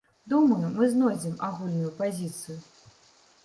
Думаю, мы знойдзем агульную пазіцыю.